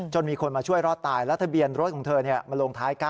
มีคนมาช่วยรอดตายแล้วทะเบียนรถของเธอมาลงท้าย๙